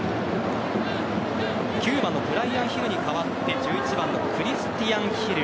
９番のブライアン・ヒルに代わって１１番のクリスティアン・ヒル。